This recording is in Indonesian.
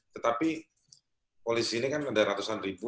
tetapi polisi ini kan ada ratusan ribu